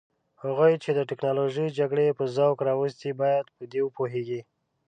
هغوی چې د تکنالوژیکي جګړو په ذوق راوستي باید په دې وپوهیږي.